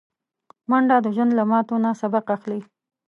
منډه د ژوند له ماتو نه سبق اخلي